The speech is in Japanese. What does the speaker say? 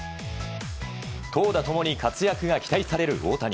投打ともに活躍が期待される大谷。